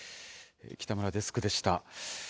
北村デスクでした。